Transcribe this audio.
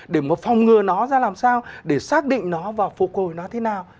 để mà phòng ngừa nó ra làm sao để xác định nó và phục hồi nó thế nào